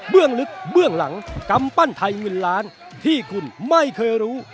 ลึกเบื้องหลังกำปั้นไทยเงินล้านที่คุณไม่เคยรู้